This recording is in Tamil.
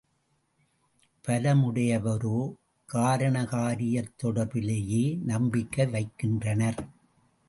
பல முடையவரோ காரணகாரியத் தொடர்பிலேயே நம்பிக்கை வைக்கின்றனர்.